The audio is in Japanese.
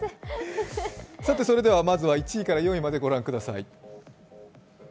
それでは、まず１位から４位までご覧ください。